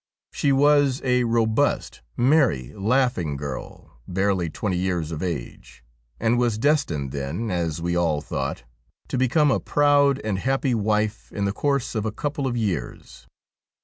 She was a robust, merry, laughing girl, barely twenty years of age, and was destined then, as we all thought, to become a proud and happy wife in the course of a couple of years.